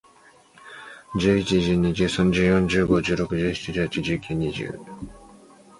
天龙座还有另外两颗三等以上的恒星。